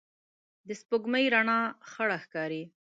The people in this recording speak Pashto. د سپوږمۍ رڼا خړه ښکاري